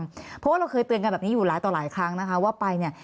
เพราะว่าเราเคยเตือนกันแบบนี้อยู่หลายต่อหลายครั้งนะคะว่าไปเนี่ย